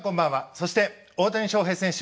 そして、大谷翔平選手